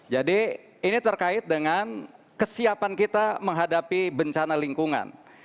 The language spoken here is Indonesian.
jadi ini terkait dengan kesiapan kita menghadapi bencana lingkungan